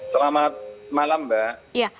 selamat malam mbak